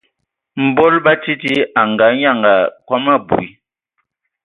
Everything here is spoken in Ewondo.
Mbol batsidi a nganyanga kom abui,